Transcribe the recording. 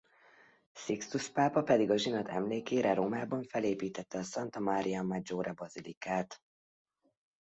Sixtus pápa pedig a zsinat emlékére Rómában felépíttette a Santa Maria Maggiore-bazilikát.